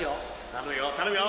頼むよ頼むよ。